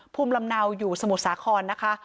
ภูมิลำเนาอยู่สมุทรสาครนะคะ